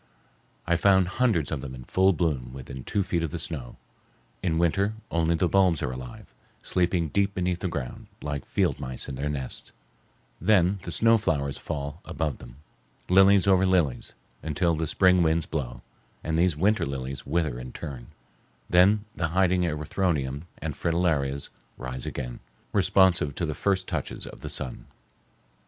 I found hundreds of them in full bloom within two feet of the snow. In winter only the bulbs are alive, sleeping deep beneath the ground, like field mice in their nests; then the snow flowers fall above them, lilies over lilies, until the spring winds blow, and these winter lilies wither in turn; then the hiding erythroniums and fritillarias rise again, responsive to the first touches of the sun.